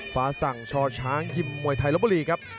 ฟ้าสังชช้างยิมมวยไทรบริครับ